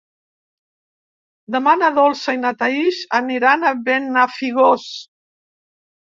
Demà na Dolça i na Thaís aniran a Benafigos.